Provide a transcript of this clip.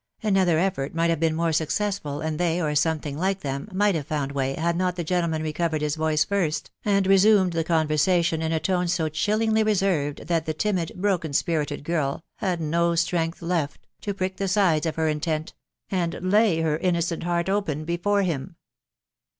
Another effort might have been more success ful, and they, or something like them, might have found way had not the gentleman recovered his voice first, and resumed the conversation in a tone no chillingly reserved, that the timid, broken spirited girl, had no strength left " to prick the sides of her intent," and lay her innocent heart open before him.